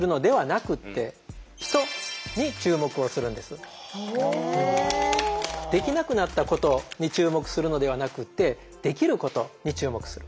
これはできなくなったことに注目するのではなくってできることに注目する。